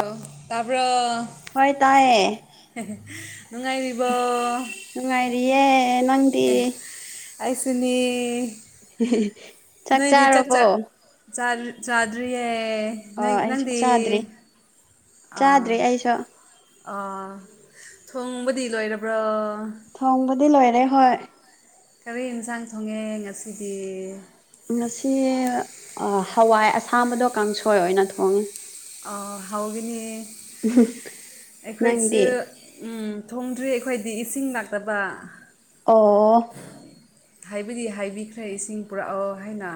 ꯑ ꯇꯥꯕꯔꯣ ꯍꯣꯏ ꯇꯥꯏꯌꯦ ꯅꯨꯡꯉꯥꯏꯔꯤꯕꯣ ꯅꯨꯡꯉꯥꯏꯔꯤꯌꯦ ꯅꯪ ꯑꯦ ꯑꯩꯁꯨꯅꯦ ꯅꯣꯏꯗꯤ ꯆꯥꯛ ꯆꯥꯛ ꯆꯥꯛ ꯆꯥꯗꯔꯤꯌꯦ ꯅ ꯑꯣ ꯑꯩꯁꯨ ꯅꯪꯗꯤ ꯆꯥꯗ꯭ꯔꯤ ꯑꯥ ꯆꯥꯗ꯭ꯔꯤ ꯑꯩꯁꯨ ꯑꯥ ꯊꯣꯡꯕꯗꯤ ꯂꯣꯏꯔꯕ꯭ꯔꯥ ꯊꯣꯡꯕꯗꯤ ꯂꯣꯏꯔꯦ ꯍꯣꯏ ꯀꯔꯤ ꯌꯦꯟꯁꯥꯡ ꯊꯣꯡꯉꯦ ꯉꯁꯤꯗꯤ ꯉꯁꯤ ꯍꯋꯥꯏ ꯑꯁꯥꯡꯕꯗꯣ ꯀꯥꯡꯁꯣꯏ ꯑꯣꯏꯅ ꯊꯣꯡꯉꯦ ꯍꯧꯒꯅꯤ ꯑꯩꯈꯣꯏꯁꯨ ꯅꯪꯗꯤ ꯎꯝ ꯊꯣꯡꯗ꯭ꯔꯤ ꯑꯩꯈꯣꯏꯗꯤ ꯏꯁꯤꯡ ꯂꯥꯛꯇꯕ ꯑꯣ ꯍꯥꯏꯕꯗꯤ ꯍꯥꯏꯕꯤꯈ꯭ꯔꯦ ꯏꯁꯤꯡ ꯄꯨꯔꯛꯑꯣ ꯍꯥꯏꯅ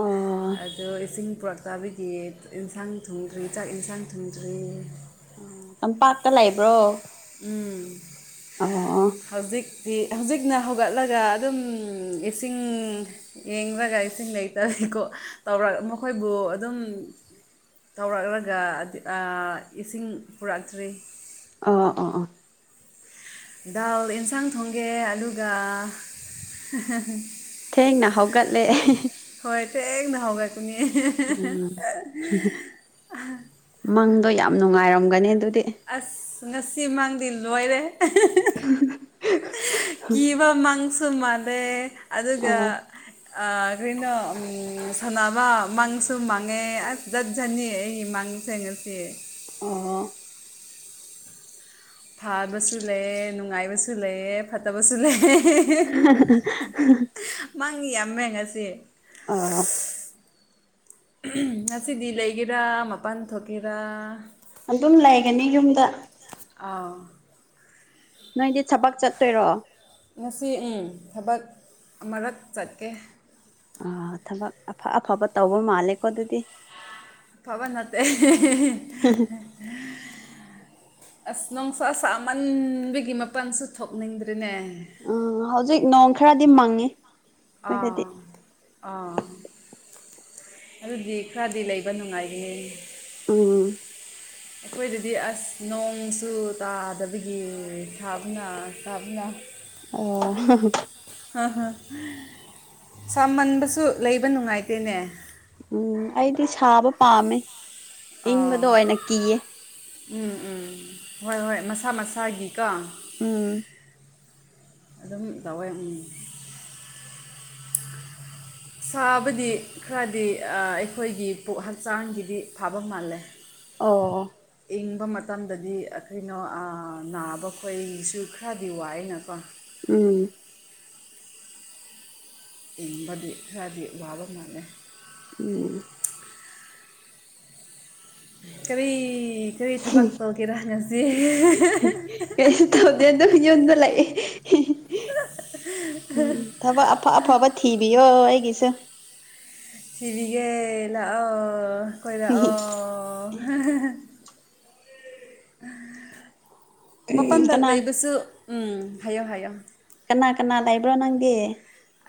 ꯑꯣ ꯑꯗꯨꯗ ꯏꯁꯤꯡ ꯄꯨꯔꯛ ꯇꯕꯒꯤ ꯏꯟꯁꯥꯡ ꯊꯨꯡꯗ꯭ꯔꯤ ꯆꯥꯛ ꯌꯦꯟꯁꯥꯡ ꯊꯣꯡꯗ꯭ꯔꯤ ꯇꯥꯝꯄꯥꯛꯇ ꯂꯩꯕ꯭ꯔꯣ ꯎꯝ ꯑꯣ ꯍꯧꯖꯤꯛꯇꯤ ꯍꯧꯖꯤꯛꯅ ꯍꯧꯒꯠꯂꯒ ꯑꯗꯨꯝ ꯏꯁꯤꯡ ꯌꯦꯡꯕꯒ ꯏꯁꯤꯡ ꯂꯩꯇꯔꯤꯗꯤꯀꯣ ꯇꯧꯔ ꯃꯈꯣꯏꯕꯨ ꯑꯗꯨꯝ ꯇꯧꯔꯛꯂꯒ ꯏꯁꯤꯡ ꯄꯨꯔꯛꯇ꯭ꯔꯤ ꯑꯥ ꯑꯥ ꯑꯥ ꯗꯥꯜ ꯑꯦꯟꯁꯥꯡ ꯊꯣꯡꯒꯦ ꯑꯗꯨꯒ ꯊꯦꯡꯅ ꯍꯧꯒꯠꯂꯦ ꯍꯣꯏ ꯇꯦꯛꯅ ꯍꯥꯎꯒꯠꯄꯅꯦ ꯎꯝ ꯃꯪꯗꯣ ꯌꯥꯝ ꯅꯨꯡꯉꯥꯏꯔꯝꯒꯅꯤ ꯑꯗꯨꯗꯤ ꯑꯁ ꯉꯁꯤ ꯃꯪꯗꯤ ꯂꯣꯏꯔꯦꯍꯦ ꯀꯤꯕ ꯃꯪꯁꯨ ꯃꯥꯜꯂꯦ ꯑꯗꯨꯒ ꯑꯣ ꯑꯥ ꯀꯔꯤꯅꯣ ꯁꯥꯟꯅꯕ ꯃꯪꯁꯨ ꯃꯥꯡꯉꯦ ꯑꯁ ꯖꯠ ꯖꯠꯅꯤ ꯑꯩ ꯏꯃꯥꯡ ꯊꯦꯡꯉꯁꯤ ꯑꯣ ꯐꯥꯕꯁꯨ ꯂꯩꯑ ꯅꯨꯡꯉꯥꯏꯕꯁꯨ ꯂꯩꯑ ꯐꯠꯇꯕꯁꯨ ꯂꯩꯑ [inaudible] ꯃꯥꯡ ꯌꯥꯝꯃꯦ ꯉꯁꯤ ꯑꯥ ꯉꯁꯤꯗꯤ ꯂꯩꯒꯦꯔꯥ ꯃꯄꯥꯟ ꯊꯣꯛꯀꯦꯔꯥ ꯑꯗꯨꯝ ꯂꯩꯒꯅꯤ ꯌꯨꯝꯗ ꯑꯥ ꯅꯣꯏꯗꯤ ꯊꯕꯛ ꯆꯠꯇꯣꯏꯔꯣ ꯉꯁꯤ ꯊꯕꯛ ꯑꯃꯨꯔꯛ ꯆꯠꯀꯦ ꯑ ꯊꯕꯛ ꯑꯐ ꯑꯐꯕ ꯇꯧꯕ ꯃꯥꯜꯂꯦꯀꯣ ꯑꯗꯨꯗꯤ ꯄꯕꯟꯠꯇꯦ [inaudible] ꯑꯁ ꯅꯨꯡꯁꯥ ꯁꯥꯥꯃꯟꯕꯒꯤ ꯃꯄꯜꯁꯨ ꯊꯣꯛꯅꯤꯡꯗ꯭ꯔꯔꯤꯅꯦ ꯎꯝ ꯍꯧꯖꯤꯛ ꯅꯣꯡ ꯈꯔꯗꯤ ꯃꯪꯉꯤ ꯑꯥ ꯑꯩꯈꯣꯏꯗꯗꯤ ꯑꯥ ꯑꯗꯨꯗꯤ ꯈꯔꯗꯤ ꯂꯩꯕ ꯅꯨꯡꯉꯥꯏꯔꯤ ꯎꯝ ꯑꯩꯈꯣꯏꯗꯗꯤ ꯑꯁ ꯅꯣꯡꯁꯨ ꯇꯥꯗꯕꯒꯤ ꯁꯥꯕꯅ ꯀꯥꯕꯅ ꯑ ꯑ ꯍꯥ ꯁꯥꯃꯟꯕꯁꯨ ꯂꯩꯕ ꯅꯨꯡꯉꯥꯏꯇꯦꯅꯦ ꯎꯝ ꯑꯩꯗꯤ ꯁꯥꯕ ꯄꯥꯝꯃꯦ ꯑꯥ ꯏꯪꯕꯗꯣ ꯑꯣꯏꯅ ꯀꯤꯌꯦ ꯎꯝ ꯎꯝ ꯍꯣꯏ ꯍꯣꯏ ꯃꯁꯥ ꯃꯁꯥꯒꯤꯀꯣ ꯎꯝ ꯑꯗꯨꯝ ꯀꯋꯏ ꯁꯥꯕꯗꯤ ꯈꯔꯗꯤ ꯑꯩꯈꯣꯏꯒꯤ ꯄꯨꯛ ꯍꯛꯆꯥꯡꯒꯤꯗꯤ ꯐꯕ ꯃꯥꯜꯂꯦ ꯑꯣ ꯏꯪꯕ ꯃꯇꯝꯗꯗꯤ ꯀꯩꯅꯣ ꯅꯥꯕ ꯈꯣꯏꯁꯨ ꯈꯔꯗꯤ ꯋꯥꯏꯅꯀꯣ ꯎꯝ ꯏꯪꯕꯗꯤ ꯈꯔꯗꯤ ꯋꯥꯕ ꯃꯥꯥꯟꯅꯦ ꯎꯝ ꯀꯔꯤ ꯀꯔꯤ ꯊꯕꯛ ꯇꯧꯒꯦꯔꯥ ꯉꯁꯤ ꯀꯩꯁꯨ ꯇꯧꯗꯦ ꯑ ꯑꯗꯨ ꯌꯣꯟꯕ ꯂꯥꯛꯑꯦ ꯎꯝ ꯊꯕꯛ ꯑꯐ ꯑꯐꯕ ꯊꯤꯕꯤꯌꯣ ꯑꯩꯒꯤꯁꯨ ꯐꯔꯤꯒ ꯂꯥꯛꯑꯣ ꯀꯣꯏ ꯂꯥꯛꯑꯣ [inaudible] ꯃꯄꯥꯟꯗ ꯀꯅꯥ ꯂꯩꯕꯁꯨ ꯎꯝ ꯍꯥꯏꯌꯣ ꯍꯥꯏꯌꯣ ꯀꯅꯥ ꯀꯅꯥ ꯂꯩꯕ꯭ꯔꯣ ꯅꯪꯒꯤ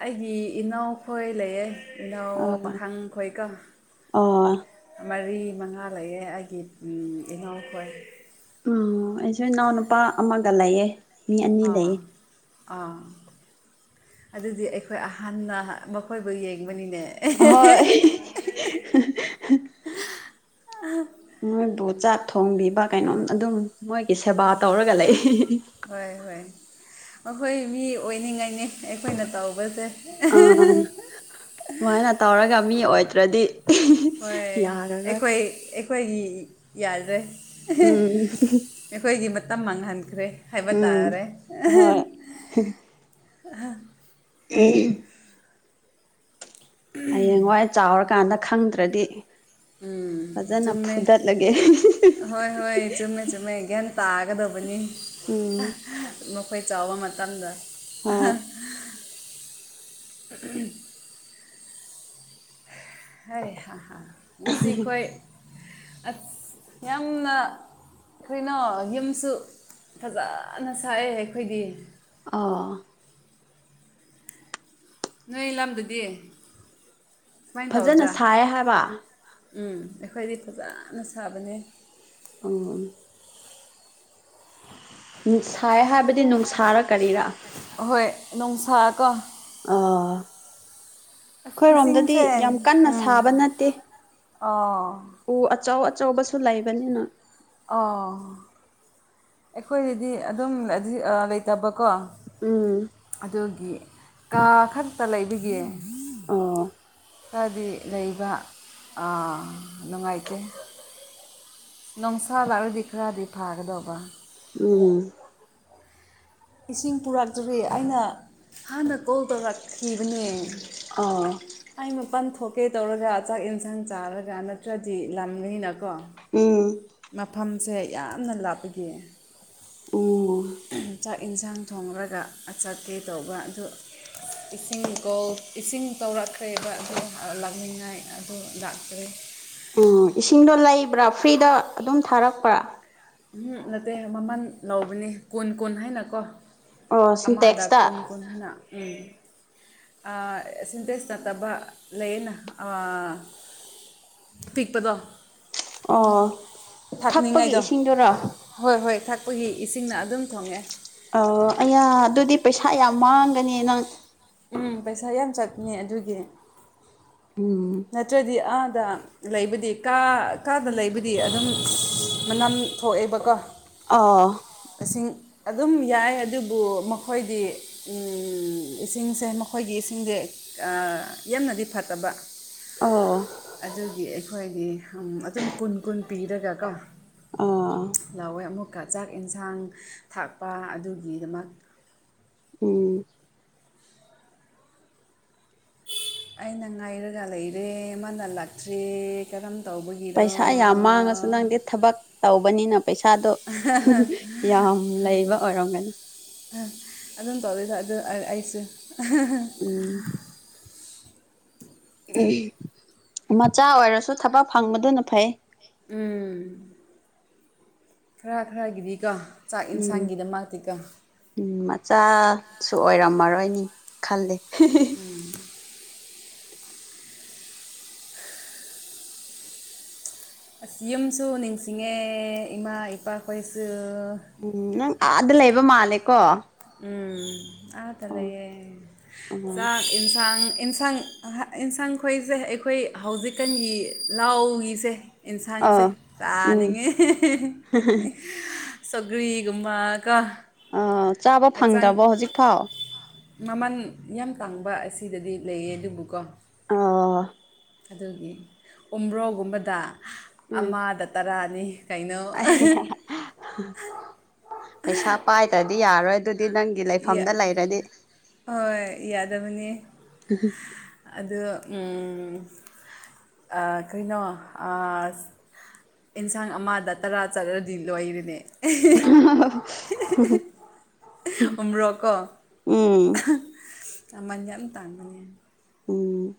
ꯑꯩꯒꯤ ꯏꯅꯥꯎꯈꯣꯏ ꯂꯩꯌꯦ ꯏꯅꯥꯎ ꯑꯣ ꯄꯥꯈꯪ ꯈꯣꯏꯀ ꯑꯣ ꯃꯔꯤ ꯃꯉꯥ ꯂꯩꯑꯦ ꯑꯩꯒꯤ ꯏꯅꯥꯎꯈꯣꯏ ꯎꯝ ꯑꯩꯁꯨ ꯏꯅꯥꯎ ꯅꯨꯄꯥ ꯑꯃꯒ ꯂꯩꯌꯦ ꯃꯤ ꯑꯅꯤ ꯑꯥ ꯂꯩꯌꯦ ꯑꯥ ꯑꯗꯨꯗꯤ ꯑꯩꯈꯣꯏ ꯍꯍꯅ ꯃꯈꯣꯏꯕꯨ ꯌꯦꯡꯕꯅꯤꯅꯦ ꯍꯣꯏ ꯃꯣꯏꯕꯨ ꯆꯥꯛ ꯊꯣꯡꯕꯤꯕ ꯀꯩꯅꯣꯝ ꯑꯗꯨꯝ ꯃꯣꯏꯒꯤ ꯁꯦꯕꯥ ꯇꯧꯔꯒ ꯂꯩ ꯍꯣꯏ ꯍꯣꯏ ꯑꯩꯈꯣꯏ ꯃꯤ ꯑꯣꯏꯅꯤꯡꯉꯥꯏꯅꯤ ꯑꯩꯈꯣꯏꯅ ꯇꯧꯕꯁꯦ ꯑꯥ ꯁꯨꯃꯥꯏꯅ ꯇꯧꯔꯒ ꯃꯤ ꯑꯣꯏꯗ꯭ꯔꯗꯤ ꯍꯣꯏ ꯌꯥꯔꯔꯣꯏ ꯑꯩꯈꯣꯏ ꯑꯩꯈꯣꯏꯒꯤ ꯌꯥꯗꯣꯏ ꯎꯝ ꯑꯩꯈꯣꯏꯒꯤ ꯃꯇꯝ ꯃꯥꯡꯍꯟꯈ꯭ꯔꯦ ꯍꯥꯏꯕ ꯎꯝ ꯇꯥꯔꯦ ꯍꯣꯏ ꯑ ꯎꯝ ꯍꯌꯦꯡꯋꯥꯏ ꯆꯥꯎꯔꯀꯥꯟꯗ ꯈꯪꯗ꯭ꯔꯗꯤ ꯎꯝ ꯐꯖꯅ ꯆꯨꯝꯃꯦ ꯐꯨꯗꯠꯂꯒꯦ ꯍꯣꯏ ꯍꯣꯏ ꯆꯨꯝꯃꯦ ꯆꯨꯝꯃꯦ ꯒ꯭ꯌꯥꯟ ꯇꯥꯒꯗꯕꯅꯤ ꯎꯝ ꯑꯩꯈꯣꯏ ꯆꯥꯎꯕ ꯃꯇꯝꯗ ꯍꯣꯏ [unintelligible] ꯍꯣꯏ ꯍꯥ ꯍꯥꯥ ꯉꯁꯤꯈꯣꯏ ꯌꯥꯝꯅ ꯀꯔꯤꯅꯣ ꯌꯨꯝꯁꯨ ꯐꯖꯅ ꯁꯥꯏꯑꯦ ꯑꯩꯈꯣꯏꯗꯤ ꯑꯣ ꯅꯣꯏ ꯂꯝꯗꯗꯤ ꯀꯃꯥꯏꯅ ꯐꯖꯅ ꯇꯧꯗ꯭ꯔꯥ ꯁꯥꯏ ꯍꯥꯏꯕ ꯎꯝ ꯑꯩꯈꯣꯏꯗꯤ ꯐꯖꯅ ꯁꯥꯕꯅꯦ [unintelligible] ꯅꯨꯡꯁꯥꯏ ꯍꯥꯏꯕꯗꯤ ꯅꯨꯡꯁꯥꯔꯥ ꯀꯔꯤꯔꯥ ꯍꯣꯏ ꯅꯨ ꯅꯨꯡꯁꯥꯀꯣ ꯑꯥ ꯑꯁ ꯑꯩꯈꯣꯏꯔꯣꯝꯗꯗꯤ ꯏꯁꯤꯡꯁꯦ ꯌꯥꯝ ꯀꯟꯅ ꯎꯝ ꯁꯥꯕ ꯅꯠꯇꯦ ꯑꯣ ꯎ ꯑꯆꯧ ꯑꯆꯧꯕꯁꯨ ꯂꯩꯕꯅꯤꯅ ꯑꯣ ꯑꯩꯈꯣꯏꯒꯤꯗꯤ ꯑꯗꯨꯝ ꯑꯗꯤ ꯑ ꯂꯩꯇꯕꯀꯣ ꯎꯝ ꯑꯗꯨꯒꯤ ꯀꯥ ꯈꯛꯇ ꯂꯩꯕꯒꯤ ꯑꯣ ꯈꯔꯗꯤ ꯂꯩꯕ ꯑ ꯅꯨꯡꯉꯥꯏꯇꯦ ꯅꯨꯡꯁꯥ ꯂꯥꯛꯔꯗꯤ ꯈꯔꯗꯤ ꯐꯥꯒꯗꯧꯕ ꯎꯝ ꯏꯁꯤꯡ ꯄꯨꯔꯛꯇ꯭ꯔꯤ ꯑꯩꯅ ꯍꯥꯟꯅ ꯀꯣꯜ ꯇꯧꯔꯛꯈꯤꯕꯅꯦ ꯑꯥꯎ ꯑꯩ ꯃꯄꯥꯟ ꯊꯣꯛꯀꯦ ꯇꯧꯔꯒ ꯆꯥꯛ ꯏꯟꯁꯥꯡ ꯆꯥꯔꯒ ꯅꯠꯇ꯭ꯔꯗꯤ ꯂꯝꯅꯤꯅꯀꯣ ꯎꯝ ꯃꯐꯝꯁꯦ ꯌꯥꯝꯅ ꯂꯥꯞꯄꯒꯤ ꯑꫭ ꯆꯥꯛ ꯏꯟꯁꯥꯡ ꯊꯣꯡꯔꯒ ꯑ ꯆꯠꯀꯦ ꯇꯧꯕ ꯑꯗꯨ ꯏꯁꯤꯡ ꯀꯣ ꯏꯁꯤꯡ ꯇꯧꯔꯛꯈ꯭ꯔꯦꯕ ꯑꯗꯨ [unintelligible] ꯂꯥꯛꯃꯤꯟꯅꯩ ꯑꯗꯨ ꯂꯥꯛꯇ꯭ꯔꯤ ꯑꯣ ꯏꯁꯤꯡꯗꯣ ꯂꯩꯕ꯭ꯔꯥ ꯐ꯭ꯔꯤꯗ ꯑꯗꯨꯝ ꯊꯥꯔꯛꯄ꯭ꯔꯥ ꯎꯍꯨ ꯅꯠꯇꯦ ꯃꯃꯟ ꯂꯧꯕꯅꯦ ꯀꯨꯟ ꯀꯨꯟ ꯍꯥꯏꯅꯀꯣ ꯑꯣ ꯑꯃꯗ ꯀꯨꯟ ꯁꯤꯟꯇꯦꯛꯁꯇ ꯀꯨꯟ [unintelligible] ꯑꯥ ꯁꯤꯟꯇꯦꯛꯁ ꯅꯠꯇꯕ ꯂꯩꯌꯦꯅ ꯑꯥ ꯄꯤꯛꯄꯗꯣ ꯑꯣ ꯊꯛꯄꯒꯤ ꯊꯥꯛꯅꯤꯡꯉꯥꯏꯗꯣ ꯏꯁꯤꯡꯗꯨꯔꯣ ꯍꯣꯏ ꯍꯣꯏ ꯊꯛꯄꯒꯤ ꯏꯁꯤꯡꯅ ꯑꯗꯨꯝ ꯊꯣꯡꯉꯦ ꯑꯣ ꯑꯌꯥ ꯑꯗꯨꯗꯤ ꯄꯩꯁꯥ ꯌꯥꯝ ꯃꯥꯡꯒꯅꯤ ꯅꯪ ꯎꯝ ꯄꯩꯁꯥ ꯌꯥꯝ ꯆꯠꯅꯤ ꯑꯗꯨꯒꯤ ꯎꯝ ꯅꯠꯇ꯭ꯔꯗꯤ ꯑꯥꯗ ꯂꯩꯕꯗꯤ ꯀꯥ ꯀꯥꯗ ꯂꯩꯕꯗꯤ ꯑꯗꯨꯝ ꯃꯅꯝ ꯊꯣꯛꯑꯦꯕꯀꯣ ꯑꯣ ꯑꯁꯤꯡ ꯑꯗꯨꯝ ꯌꯥꯏ ꯑꯗꯨꯕꯨ ꯃꯈꯣꯏꯗꯤ ꯎꯝ ꯏꯁꯤꯡꯁꯦ ꯃꯈꯣꯏꯒꯤ ꯏꯁꯤꯡꯖꯦ ꯑ ꯌꯥꯝꯅꯗꯤ ꯐꯠꯇꯕ ꯑꯣ ꯑꯗꯨꯒꯤ ꯑꯩꯈꯣꯏꯗꯤ ꯍꯝ ꯑꯗꯨꯝ ꯀꯨꯟ ꯀꯨꯟ ꯄꯤꯔꯒ ꯀꯣ ꯑꯣ ꯂꯧꯋꯦ ꯑꯃꯨꯛꯀ ꯆꯥꯛ ꯏꯟꯁꯥꯡ ꯊꯥꯛꯄ ꯑꯗꯨꯒꯤꯗꯃꯛ ꯎꯝ ꯑꯩꯅ ꯉꯥꯏꯔꯒ ꯂꯩꯔꯦ ꯃꯥꯅ ꯂꯥꯛꯇ꯭ꯔꯤ ꯀꯔꯝ ꯇꯧꯕꯒꯤꯔꯣ ꯄꯩꯁꯥ ꯌꯥꯝ ꯃꯥꯡꯉꯁꯨ ꯅꯪꯗꯤ ꯊꯕꯛ ꯇꯧꯕꯅꯤꯅ ꯄꯩꯁꯥꯗꯣ ꯌꯥꯝ ꯂꯩꯕ ꯑꯣꯏꯔꯝꯒꯅꯤ ꯑ ꯑꯗꯨꯝ ꯇꯧꯋꯤꯗ ꯑꯗꯨ ꯑ ꯑꯩꯁꯨ ꯎꯝ ꯃꯆꯥ ꯑꯣꯏꯔꯁꯨ ꯊꯕꯛ ꯐꯪꯕꯗꯨꯅ ꯐꯩ ꯎꯝ ꯈꯔ ꯈꯔꯒꯤꯗꯤꯀꯣ ꯆꯥꯛ ꯏꯟꯁꯥꯡꯒꯤꯗꯃꯛꯇꯤ ꯀꯝ ꯎ ꯃꯆꯥꯁꯨ ꯑꯣꯏꯔꯝꯃꯔꯣꯏꯅꯤ ꯈꯜꯂꯦ ꯎ ꯑꯁ ꯌꯨꯝꯁꯨ ꯅꯤꯡꯁꯤꯡꯉꯦ ꯏꯃꯥ ꯏꯄꯥꯈꯣꯏꯁꯨ ꯎꯝ ꯅꯪ ꯑꯥꯗ ꯂꯩꯕ ꯃꯥꯜꯂꯦꯀꯣ ꯎꯝ ꯑ ꯇ ꯑꯣ ꯂꯩꯦ ꯑꯣ ꯌꯦꯟꯁꯥꯡ ꯑꯦꯟꯁꯥꯡ ꯌꯦꯟꯁꯥꯡ ꯈꯣꯏꯁꯦ ꯑꯩꯈꯣꯏ ꯍꯧꯖꯤꯛꯀꯥꯟꯒꯤ ꯂꯥꯎꯒꯤꯁꯦ ꯌꯦꯟꯁꯥꯡꯁꯦ ꯑꯥ ꯎꯝ ꯆꯥꯅꯤꯡꯉꯦ ꯁꯒꯂꯤꯒꯃ ꯀꯥ ꯑꯥ ꯆꯥꯕ ꯐꯪꯗ꯭ꯔꯕꯣ ꯍꯧꯖꯤꯛꯐꯥꯎ ꯃꯃꯜ ꯌꯥꯝ ꯇꯥꯡꯕ ꯑꯁꯤꯗꯗꯤ ꯂꯩꯌꯦ ꯑꯗꯨꯕꯨꯀꯣ ꯑꯣ ꯑꯗꯨꯒꯤ ꯎ꯭ꯔꯣꯒꯨꯝꯕꯗ ꯎꯝ ꯑꯃꯗ ꯇꯔꯥꯅꯤ ꯀꯩꯅꯣ ꯑꯩ ꯄꯩꯁꯥ ꯄꯥꯏꯗ꯭ꯔꯗꯤ ꯌꯥꯔꯣꯏ ꯑꯗꯨꯗꯤ ꯅꯪꯒꯤ ꯌꯥ ꯂꯩꯐꯝꯗ ꯂꯩꯔꯗꯤ ꯍꯣꯏ ꯌꯥꯗꯕꯅꯤ ꯑ ꯀꯩꯅꯣ ꯑꯦꯟꯁꯥꯡ ꯑꯃꯗ ꯇꯔꯥ ꯆꯠꯂꯗꯤ ꯂꯣꯏꯔꯤꯅꯦ [inaudible] ꯎ꯭ꯔꯣꯀꯣ ꯎꯝ ꯃꯟ ꯌꯥꯝ ꯇꯥꯟꯕꯅꯦ ꯍꯥꯏ ꯎꯝ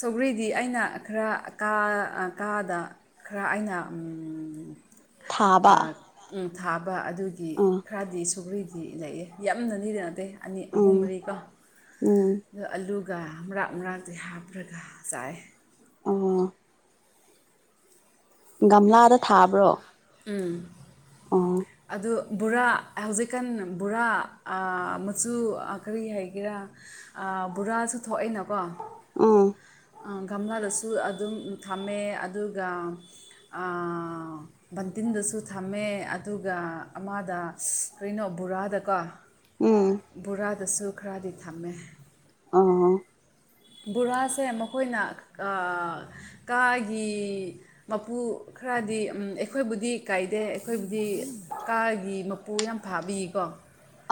ꯁꯧꯒ꯭ꯔꯤꯗꯤ ꯑꯩꯅ ꯈꯔ ꯀꯥ ꯀꯥꯗ ꯈꯔ ꯑꯩꯅ ꯊꯥꯕ ꯊꯥꯕ ꯑꯗꯨꯒꯤ ꯑꯥ ꯈꯔꯗꯤ ꯁꯨꯒ꯭ꯔꯤꯗꯤ ꯂꯩꯑ ꯌꯥꯝꯅꯅꯤꯗꯤ ꯅꯇꯩꯦ ꯑꯅꯤ ꯑꯍꯨꯝ ꯎꯝ ꯃꯔꯤꯒ ꯎꯝ ꯑ ꯑꯂꯨꯒ ꯃꯔꯔꯥꯛ ꯃꯔꯥꯛꯇꯤ ꯍꯥꯞꯄ ꯕꯔꯒ ꯆꯥꯏ ꯑ ꯒꯝꯂꯥꯗ ꯊꯥꯕ꯭ꯔꯣ ꯎꯝ ꯑ ꯑꯗꯨ ꯕꯣꯔꯥ ꯍꯧꯖꯤꯛꯀꯥꯟ ꯕꯣꯔꯥ ꯃꯆꯨ ꯀꯔꯤ ꯍꯥꯏꯒꯦꯔꯥ ꯕꯣꯔꯥꯁꯨ ꯊꯣꯛꯑꯅꯀꯣ ꯑꯥ ꯒꯝꯂꯥꯗꯁꯨ ꯑꯗꯨꯝ ꯊꯝꯃꯦ ꯑꯗꯨꯒ ꯕꯟꯇꯤꯟꯗꯁꯨ ꯊꯝꯃꯦ ꯑꯗꯨꯒ ꯑꯃꯗ ꯀꯩꯅꯣ ꯕꯣꯔꯥꯗꯀꯣ ꯎꯝ ꯕꯣꯔꯥꯗꯁꯨ ꯈꯔꯗꯤ ꯊꯝꯃꯦ ꯑꯥ ꯕꯣꯔꯥꯁꯦ ꯃꯈꯣꯏꯅ ꯀꯥꯒꯤ ꯃꯄꯨ ꯈꯔꯗꯤ ꯑꯩꯈꯣꯏꯕꯨꯗꯤ ꯀꯥꯏꯗꯦ ꯑꯩꯈꯣꯏꯕꯨꯗꯤ ꯀꯥꯒꯤ ꯃꯄꯨ ꯌꯥꯝ ꯐꯥꯕꯤꯀꯣ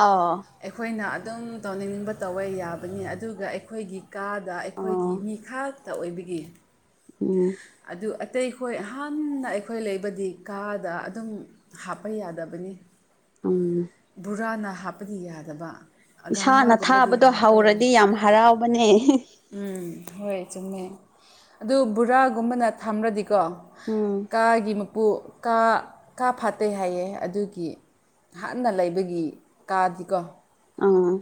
ꯑꯥ ꯑꯩꯈꯣꯏꯅ ꯑꯗꯨꯝ ꯇꯧꯅꯤꯡꯅꯤꯡꯕ ꯇꯧꯕ ꯌꯥꯕꯅꯤ ꯑꯗꯨꯒ ꯑꯩꯈꯣꯏꯒꯤ ꯀꯥꯗ ꯑꯩꯈꯣꯏꯒꯤ ꯑꯣ ꯃꯤ ꯈꯇ ꯑꯣꯏꯕꯒꯤꯦ ꯎꯝ ꯑꯗꯨ ꯑꯇꯩ ꯑꯩꯈꯣꯏ ꯍꯍꯥꯟꯅ ꯑꯩꯈꯣꯏ ꯂꯩꯕꯗꯤ ꯀꯥꯗ ꯑꯗꯨꯝ ꯍꯥꯞꯄ ꯌꯥꯗꯕꯅꯤ ꯎꯝ ꯕꯣꯔꯥꯅ ꯍꯥꯞꯄꯗꯤ ꯌꯥꯗꯕ ꯏꯁꯥꯅ ꯒꯝꯂꯥꯒꯨꯝꯕꯗꯤ ꯊꯥꯕꯗꯣ ꯍꯥꯞꯄ ꯌꯥꯏ ꯍꯧꯔꯗꯤ ꯌꯥꯝ ꯍꯔꯥꯎꯕꯅꯦ ꯎꯝ ꯍꯣꯏ ꯆꯨꯝꯃꯦ ꯑꯗꯨ ꯕꯣꯔꯥꯒꯨꯝꯕꯅ ꯊꯝꯔꯗꯤꯀꯣ ꯎꯝ ꯀꯥꯒꯤ ꯃꯨ ꯕꯨ ꯀꯥ ꯀꯥ ꯐꯥꯠꯇꯦ ꯍꯥꯏꯌꯦ ꯑꯗꯨꯒꯤ ꯍꯥꯟꯅ ꯂꯩꯕꯒꯤ ꯀꯥꯗꯤꯀꯣ ꯑꯥ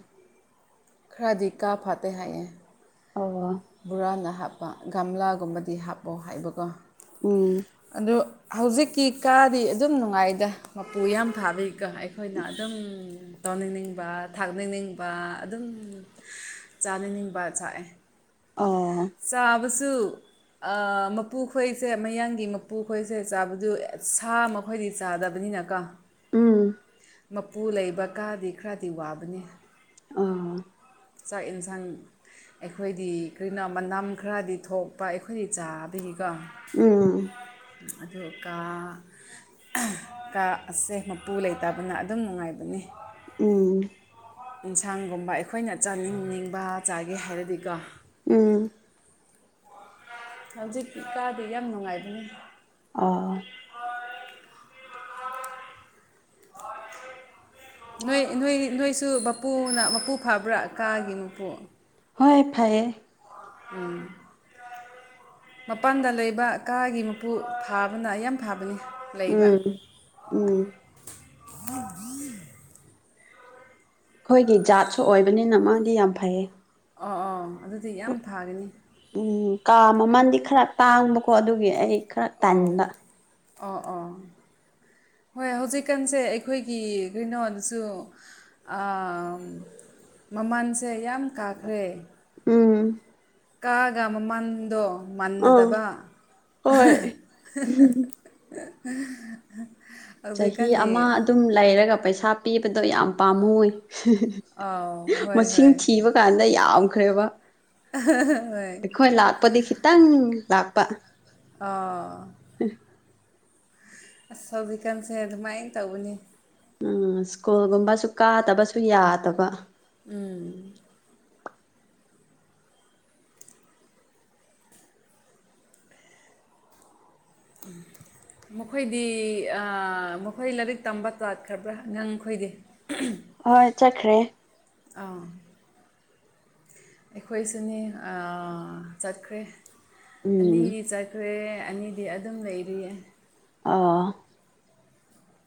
ꯈꯔꯗꯤꯀꯥ ꯐꯥꯠꯇꯦ ꯍꯥꯏꯌꯦ ꯑꯣ ꯕꯣꯔꯥꯟꯅ ꯍꯥꯞꯄ ꯒꯝꯂꯥꯒꯨꯝꯕꯗꯤ ꯍꯥꯞꯄꯣ ꯍꯥꯏꯕꯀꯣ ꯎꯝ ꯑꯗꯨ ꯍꯧꯖꯤꯛꯀꯤ ꯀꯥꯗꯤ ꯑꯗꯨꯝ ꯅꯨꯡꯉꯥꯏꯗ ꯃꯄꯨ ꯌꯥꯝ ꯐꯥꯕꯒꯤꯀꯣ ꯑꯩꯈꯣꯏꯅ ꯑꯗꯨꯝ ꯇꯧꯅꯤꯡꯅꯤꯡꯕ ꯊꯥꯛꯅꯤꯡꯅꯤꯡꯕ ꯑꯗꯨꯝ ꯆꯥꯅꯤꯡꯅꯤꯡꯕ ꯆꯥꯑꯦ ꯑꯣ ꯆꯥꯕꯁꯨ ꯑꯥ‌ ꯃꯄꯨꯈꯣꯏꯁꯦ ꯃꯌꯥꯡꯒꯤ ꯃꯄꯨꯈꯣꯏꯁꯦ ꯆꯥꯕꯗꯨ ꯁꯥ ꯃꯈꯣꯏꯗꯤ ꯆꯥꯗꯕꯅꯤꯅ ꯀꯣ ꯎꯝ ꯃꯄꯨ ꯂꯩꯕ ꯀꯥꯗꯤ ꯈꯔꯗꯤ ꯋꯥꯕꯅꯤ ꯑꯥ ꯆꯥꯛ ꯌꯦꯟꯁꯥꯡ ꯑꯩꯈꯣꯏꯗꯤ ꯀꯔꯤꯅꯝ ꯃꯅꯝ ꯈꯔꯗꯤ ꯊꯣꯛꯄ ꯑꯩꯈꯣꯏ ꯆꯥꯕꯒꯤꯀꯦ ꯎꯝ ꯑꯗꯨꯀꯥ ꯑꯃꯥ ꯀꯥ ꯑꯁꯦ ꯃꯄꯨ ꯂꯩꯇꯕꯅ ꯑꯗꯨꯝ ꯅꯨꯡꯉꯥꯏꯕꯅꯦ ꯎꯝ ꯌꯦꯟꯁꯥꯡꯒꯨꯝꯕ ꯑꯩꯈꯣꯏꯅ ꯆꯥꯅꯤꯡꯅꯤꯡꯕ ꯆꯥꯒꯦ ꯍꯥꯏꯔꯗꯤꯀꯣ ꯎꯝ ꯍꯧꯖꯤꯛꯀꯤ ꯀꯥꯗꯤ ꯌꯥꯝ ꯅꯨꯡꯉꯥꯏꯕꯅꯤ ꯑꯣ ꯑ [inaudible] [unintelligible] ꯅꯣꯏ ꯅꯣꯏ ꯅꯣꯏꯁꯨ ꯕꯄꯨꯅ ꯃꯄꯨ ꯐꯕ꯭ꯔꯥ ꯀꯥꯒꯤ ꯃꯄꯨ ꯍꯣꯏ ꯐꯥꯏꯌꯦ ꯎꯝ ꯃꯄꯥꯟꯗ ꯂꯩꯕ ꯀꯥꯒꯤ ꯃꯄꯨ ꯐꯥꯕꯅ ꯌꯥꯝ ꯐꯥꯕꯅꯤ ꯎꯝ ꯎꯝ ꯈꯣꯏꯒꯤ ꯖꯥꯠꯁꯨ ꯑꯣꯏꯕꯅꯤꯅ ꯃꯥꯗꯤ ꯌꯥꯝ ꯐꯩꯌꯦ ꯑꯣ ꯑꯣ ꯑꯗꯨꯗꯤ ꯌꯥꯝ ꯐꯥꯒꯅꯤ ꯎꯝ ꯀꯥ ꯃꯃꯟꯗꯤ ꯈꯔ ꯇꯥꯡꯕꯀꯣ ꯑꯗꯨꯒꯤ ꯑꯩ ꯈꯔ ꯑꯣ ꯇꯟꯕ ꯑꯣꯑꯣ ꯍꯣꯏ ꯍꯧꯖꯤꯛꯀꯥꯟꯁꯦ ꯑꯩꯈꯣꯏꯒꯤ ꯀꯔꯤꯅꯣꯗꯨꯁꯨ ꯑꯥꯝ ꯃꯃꯟꯁꯦ ꯌꯥꯝ ꯀꯥꯈ꯭ꯔꯦ ꯎꯝ ꯀꯥꯒ ꯃꯃꯟꯗꯣ ꯑꯥ ꯃꯥꯟꯅꯗꯕ ꯍꯣꯏ [unintelligible] ꯆꯍꯤ ꯑꯃ ꯑꯗꯨꯝ ꯂꯩꯔꯒ ꯄꯩꯁꯥ ꯄꯤꯕꯗꯣ ꯌꯥꯝ ꯄꯥꯝꯃꯨꯏ ꯑꯥꯎ ꯍꯣꯏ ꯃꯁꯤꯡ ꯍꯣꯏ ꯊꯤꯕ ꯀꯥꯟꯗ ꯌꯥꯝꯈ꯭ꯔꯦꯕ ꯍꯣꯏ ꯑꯩꯈꯣꯏ ꯂꯥꯛꯄꯗꯤ ꯈꯤꯇꯪ ꯂꯥꯛꯄ ꯑꯥ ꯑꯁ ꯍꯧꯖꯤꯛꯀꯥꯟꯁꯦ ꯑꯗꯨꯃꯥꯏꯟ ꯇꯧꯕꯅꯤ ꯎꯝ ꯁ꯭ꯀꯨꯜꯒꯨꯝꯕꯁꯨ ꯀꯥꯗꯕꯁꯨ ꯌꯥꯗꯕ ꯎꯝ [inaudible] ꯃꯈꯣꯏꯗꯤ ꯑꯥ ꯃꯈꯣꯏ ꯂꯥꯏꯔꯤꯛ ꯇꯝꯕ ꯇꯥꯠ ꯈ꯭ꯔꯕ꯭ꯔꯥ ꯑꯉꯥꯡ ꯈꯣꯏꯗꯤ [unintelligible] ꯍꯣꯏ ꯆꯠꯈ꯭ꯔꯦ ꯑꯥ ꯑꯩꯈꯣꯏꯁꯨꯅꯤ ꯑꯥ ꯆꯠꯈ꯭ꯔꯦ ꯎꯝ ꯑꯅꯤꯗꯤ ꯆꯠꯈ꯭ꯔꯦ ꯑꯅꯤ ꯗꯤ ꯑꯗꯨꯝ ꯂꯩꯔꯤꯌꯦ ꯑ‌ꯣ